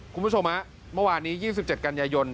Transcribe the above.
คุณผู้ชมฮะเมื่อวานนี้๒๗กันยายน